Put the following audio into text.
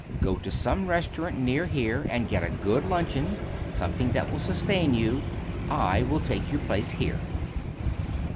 Go to some restaurant near here and get a good luncheon something that will sustain you. I will take your place here."